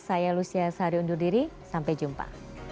saya lucia sari undur diri sampai jumpa